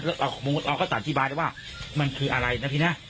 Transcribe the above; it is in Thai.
แล้วเราก็อธิบายได้ว่ามันคืออะไรนะพี่นะ